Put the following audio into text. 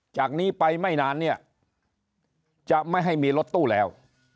จากนี้ไปไม่นานเนี่ยจะไม่ให้มีรถตู้แล้ว